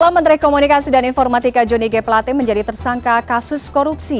kepala menteri komunikasi dan informatika joni g pelatih menjadi tersangka kasus korupsi